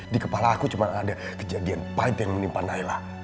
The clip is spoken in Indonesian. di kepala aku cuma ada kejadian pahit yang menimpa naila